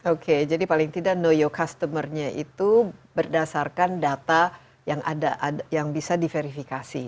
oke jadi paling tidak know your customer nya itu berdasarkan data yang bisa diverifikasi